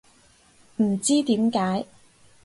唔知點解